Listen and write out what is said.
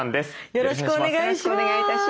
よろしくお願いします。